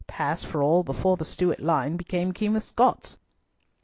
Pass for all before the Stewart line became Kings of Scots!